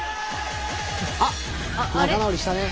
あっ仲直りしたね。